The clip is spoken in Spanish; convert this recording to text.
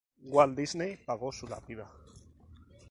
Walt Disney pagó su lápida.